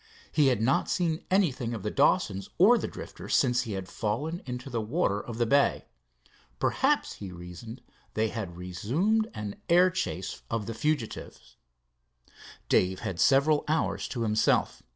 He had not seen anything of the Dawsons or the Drifter since he had fallen into the water of the bay. Perhaps, he reasoned, they had resumed an air chase of the fugitive. Dave had several hours to himself.